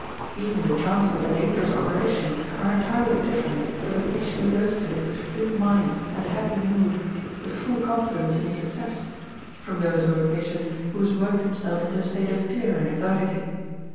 Even the chances of a dangerous operation are entirely different for the patient who goes to it with free mind and a happy mood, with full confidence in its success, from those of a patient who has worked himself into a state of fear and anxiety.